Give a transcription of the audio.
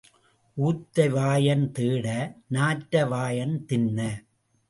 ஊத்தை வாயன் தேட நாற்ற வாயன் தின்ன.